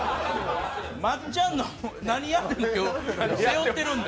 まっちゃんの何やってもウケるを背負ってるんで。